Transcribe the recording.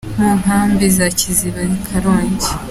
mu Nkambi ya Kiziba i Karongi.